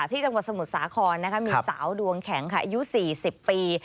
ที่จังหวัดสมุทรสาครมีสาวดวงแข็งค่ะอายุ๔๐ปี